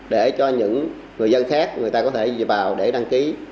để cho những người dân khác người ta có thể dự bào để đăng ký